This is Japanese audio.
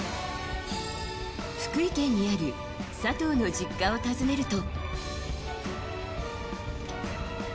福井県にある佐藤の実家を訪ねると。